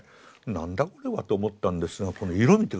何だこれは？と思ったんですがこの色見て下さいよ。